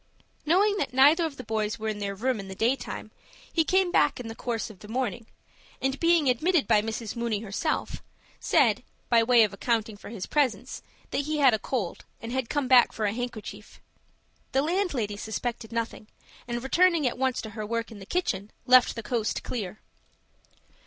Knowing that neither of the boys were in their room in the daytime, he came back in the course of the morning, and, being admitted by Mrs. Mooney herself, said, by way of accounting for his presence, that he had a cold, and had come back for a handkerchief. The landlady suspected nothing, and, returning at once to her work in the kitchen, left the coast clear.